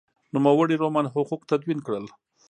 نوموړي رومن حقوق تدوین کړل.